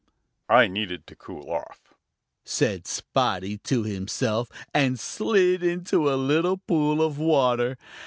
"I needed to cool off," said Spotty to himself and slid into a little pool of water.